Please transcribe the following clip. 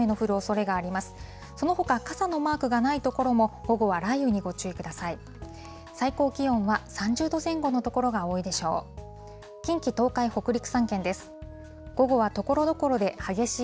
そのほか傘のマークがない所も午後は雷雨にご注意ください。